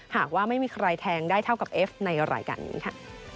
หากว่าไม่มีใครแทงได้เท่ากับเอฟในรายการนี้ค่ะ